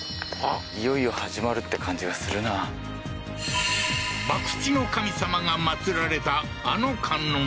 いよいよ始まるって感じがするな博打の神様が祭られたあの観音堂